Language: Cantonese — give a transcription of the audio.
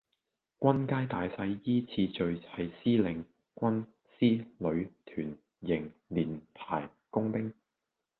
軍階大細依次序係司令,軍,師,旅,團,營,連,排,工兵